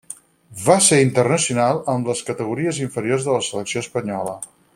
Va ser internacional amb les categories inferiors de la selecció espanyola.